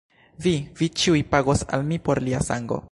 Vi, vi ĉiuj pagos al mi por lia sango!